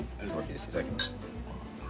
いただきます。